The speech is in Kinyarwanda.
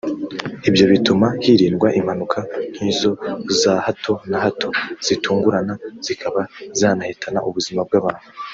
Ibyo bituma hirindwa impanuka nk’izo za hato na hato zitungurana zikaba zanahitana ubuzima bw’abantu